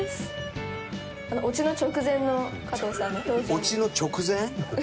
オチの直前？